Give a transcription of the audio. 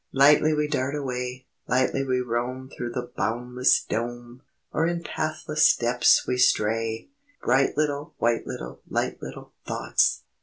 Lightly we dart away! Lightly we roam Through the boundless dome! Or in pathless depths we stray! Bright little, White little, Light little Thoughts!